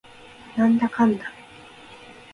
なんだかんだ